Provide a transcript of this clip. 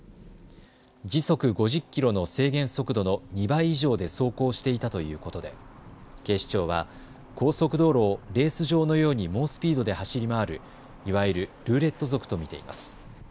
時速５０キロの制限速度の２倍以上で走行していたということで警視庁は高速道路をレース場のように猛スピードで走り回るいわゆるルーレット族と見ています。